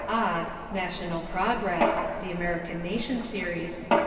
= Ogg, National Progress (The American Nation Series), pp.